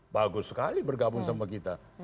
bagus sekali bergabung sama kita